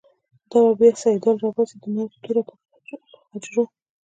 دابه بیا “سیدال” راباسی، دمرګ توره په غجرو